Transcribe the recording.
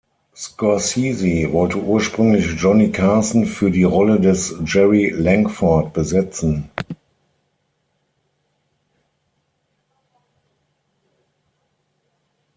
Scorsese wollte ursprünglich Johnny Carson für die Rolle des Jerry Langford besetzen.